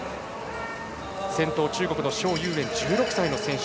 先頭、中国、蒋裕燕１６歳の選手。